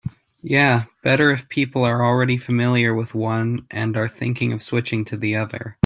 Yeah, better if people are already familiar with one and are thinking of switching to the other.